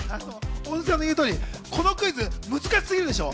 大貫さんの言う通りこのクイズ、難しすぎるでしょ。